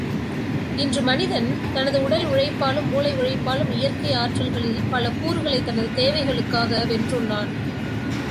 இன்று மனிதன் தனது உடலுழைப்பாலும், மூளை உழைப்பாலும், இயற்கையாற்றல்களில் பல கூறுகளை தனது தேவைகளுக்காக வென்றுள்ளான்.